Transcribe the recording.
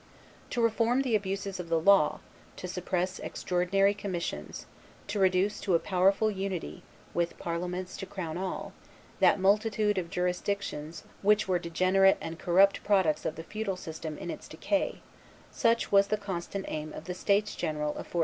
To reform the abuses of the law, to suppress extraordinary commissions, to reduce to a powerful unity, with parliaments to crown all, that multitude of jurisdictions which were degenerate and corrupt products of the feudal system in its decay, such was the constant aim of the states general of 1484.